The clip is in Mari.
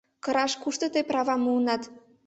— Кыраш кушто тый правам муынат?